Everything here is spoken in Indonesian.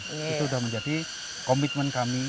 itu sudah menjadi komitmen kami